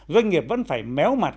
doanh nghiệp vẫn phải méo mặt